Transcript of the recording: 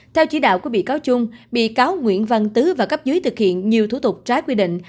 theo chỉ đạo của bị cáo trung bị cáo nguyễn văn tứ và cấp dưới thực hiện nhiều thủ tục trái quy định